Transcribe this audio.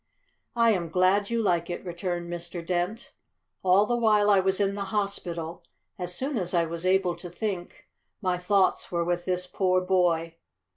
"I am glad you like it," returned Mr. Dent. "All the while I was in the hospital, as soon as I was able to think, my thoughts were with this poor boy.